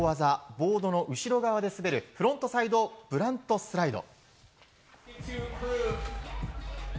ボードの後ろ側で滑るフロントサイドブラントスライド。